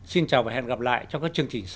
xin chào và hẹn gặp lại trong các chương trình sau